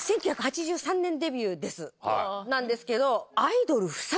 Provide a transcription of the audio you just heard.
なんですけど。